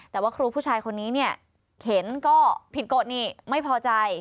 แต่ว่าครูผู้ชายคนนี้เนี่ยเห็นก็ผิดกฎนี่ไม่พอใจ